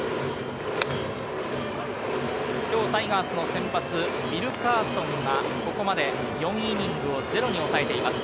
今日タイガースの先発ウィルカーソンがここまで４イニングをゼロに抑えています。